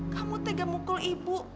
kamu tega mukul ibu